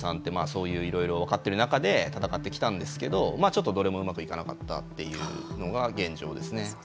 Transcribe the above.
そういういろいろ分かっている中で戦ってきたんですけどちょっとどれもうまくいかなかったというのが現状ですね。